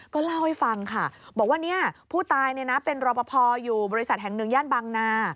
ก็เล่าให้ฟังค่ะบอกว่าผู้ตายเป็นรบพออยู่บริษัทแห่ง๑ย่านบางนา